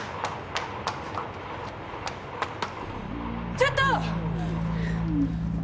ちょっと！